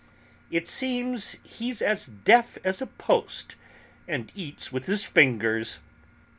"It seems, he's as deaf as a post; and eats with his fingers."